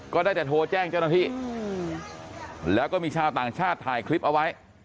ก็ได้แต่โทรแจ้งเจ้าหน้าที่แล้วก็มีชาวต่างชาติถ่ายคลิปเอาไว้